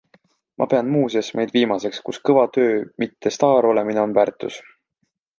Ma pean muuseas meid viimaseks, kus kõva töö, mitte staar olemine on väärtus.